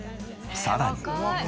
さらに。